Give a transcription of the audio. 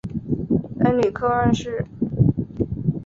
恩里克二世。